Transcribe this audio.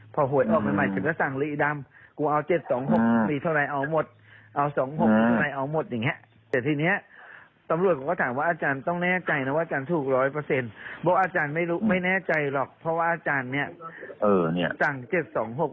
พอโหยมาใหม่ถึงก็สั่งหลีดำกูเอาเจ็ดสองหกหลีเท่าไหร่เอาหมด